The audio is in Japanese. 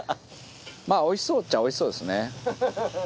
まあおいしそうっちゃおいしそうですね。